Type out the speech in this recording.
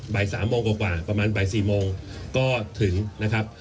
บ่าย๓โมงกว่าประมาณบ่าย๔โมงก็ถึงนะครับ